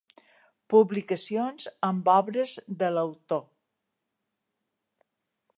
Publicacions amb obres de l'autor.